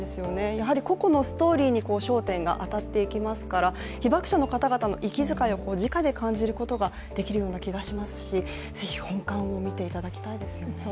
やはりここのストーリーに焦点が当たっていきますから被爆者の方の息づかいをじかで感じることができるような気がしますしぜひ本館も見ていただきたいですね。